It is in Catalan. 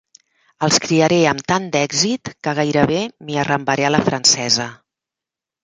Els criaré amb tant d'èxit que gairebé m'hi arrambaré a la francesa.